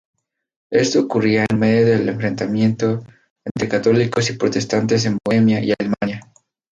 Esto ocurría en medio del enfrentamiento entre católicos y protestantes en Bohemia y Alemania.